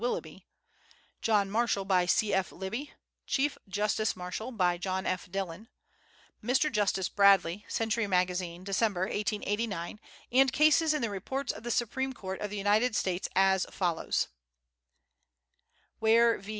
Willoughby; John Marshall, by C.F. Libby; Chief Justice Marshall, by John F. Dillon; Mr. Justice Bradley, Century Magazine, December, 1889; and cases in the Reports of the Supreme Court of the United States as follows: Ware v.